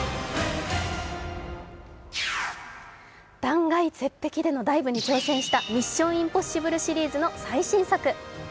断崖絶壁でのダイブに挑戦した「ミッション：インポッシブル」シリーズの最新作。